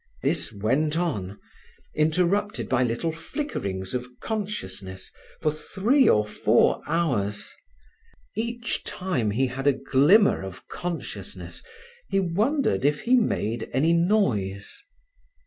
This went on, interrupted by little flickerings of consciousness, for three or four hours. Each time he had a glimmer of consciousness he wondered if he made any noise.